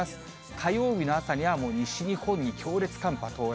火曜日の朝には、もう西日本に強烈寒波到来。